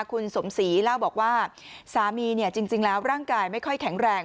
คุณสมศรีเล่าบอกว่าสามีจริงแล้วร่างกายไม่ค่อยแข็งแรง